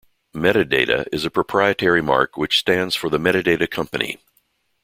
Metadata is a proprietary mark which stands for The Metadata Company.